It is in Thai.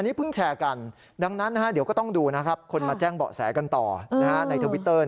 อันนี้เพิ่งแชร์กันเดี๋ยวก็ต้องดูนะครับคุณตะแจ้งบอกแสกันต่อ